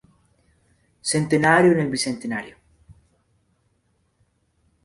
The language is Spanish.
Centenario en el bicentenario.